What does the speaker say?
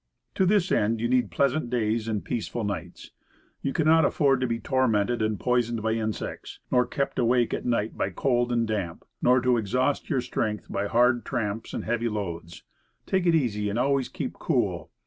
To this end you need pleasant days and peaceful nights. You cannot afford to be tormented and poisoned by insects, nor kept awake at night by cold and damp, nor to exhaust your strength by hard tramps and heavy loads. Take it easy, and always keep cool.